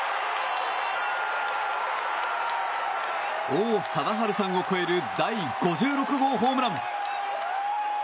王貞治さんを超える第５６号ホームラン！